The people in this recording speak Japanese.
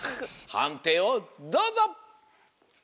はんていをどうぞ！